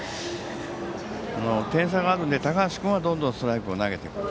点差があるので、高橋君はどんどんストライクを投げてくる。